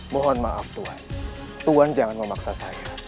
mohon maaf tuan tuan jangan memaksa saya